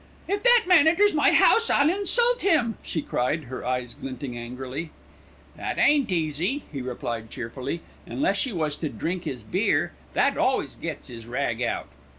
"If that man enters my house I'll insult him!" she cried, her eyes glinting angrily. "That ain't easy," he replied cheerfully, "unless you was to drink 'is beer. That always gets 'is rag out."